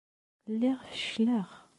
Lliɣ feccleɣ.